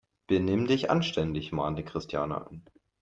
"Benimm dich anständig!", mahnte Christiane an.